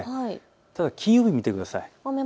ただ金曜日を見てください。